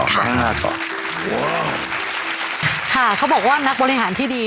ไปต่อ